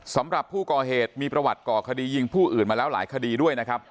สำหรับผู้ก่อเหตุมีประวัติก่อคดียิงผู้อื่นมาแล้วหลายคดีด้วยนะครับ